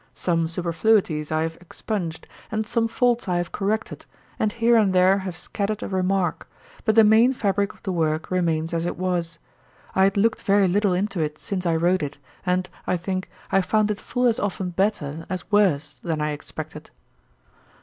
Some superfluities I have expunged, and some faults I have corrected, and here and there have scattered a remark; but the main fabrick of the work remains as it was. I had looked very little into it since I wrote it, and, I think, I found it full as often better, as worse, than I expected.